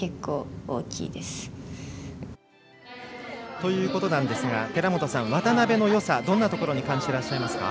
ということなんですが寺本さん渡部のよさ、どんなところに感じていますか。